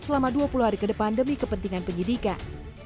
selama dua puluh hari ke depan demi kepentingan penyidikan